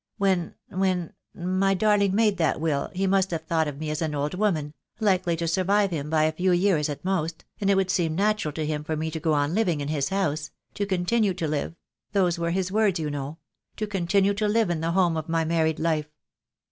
When — when — my darling made that will he must have thought of me as an old woman, likely to survive him by a few years at most, and it would seem natural to him for me to go on living in his house — to continue to live — those were his words, you know — to continue to live in the home of my married life.